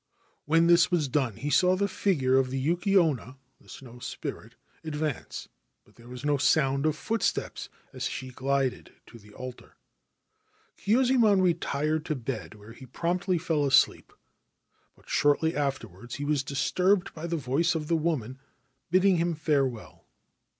When this was done he saw the figure of the 310 The Snow Ghost Yuki Onna (Snow Spirit) advance ; but there was no sound of footsteps as she glided to the altar. Kyuzaemon retired to bed, where he promptly fell asleep ; but shortly afterwards he was disturbed by the voice of the woman bidding him farewell.